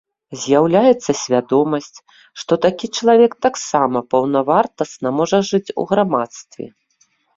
З'яўляецца свядомасць, што такі чалавек таксама паўнавартасна можа жыць у грамадстве.